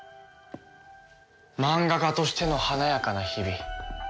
マンガ家としての華やかな日々。